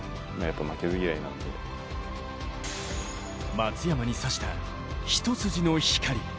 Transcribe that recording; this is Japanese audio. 松山に差した一筋の光。